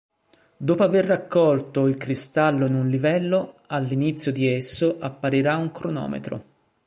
Dopo aver raccolto il cristallo in un livello, all'inizio di esso apparirà un cronometro.